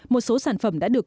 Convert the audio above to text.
một số sản phẩm đã được